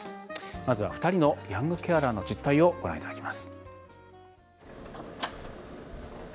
まずは２人のヤングケアラーの実態をご覧いただきます。